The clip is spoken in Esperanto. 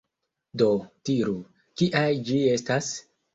Do, diru, kia ĝi estas?